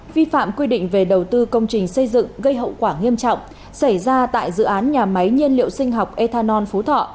vi phạm quy định về đầu tư công trình xây dựng gây hậu quả nghiêm trọng xảy ra tại dự án nhà máy nhiên liệu sinh học ethanol phú thọ